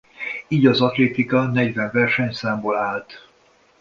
Így az atlétika negyven versenyszámból állt.